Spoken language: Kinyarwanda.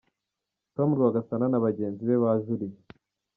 Tom Rwagasana na bagenzi be bajuriye.